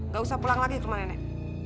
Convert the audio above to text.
gak usah pulang lagi ke rumah nenek